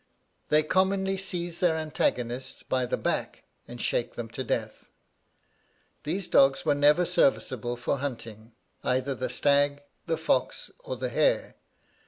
They commonly seize their antagonists by the back and shake them to death. These dogs were never serviceable for hunting, either the stag, the fox, or the hare.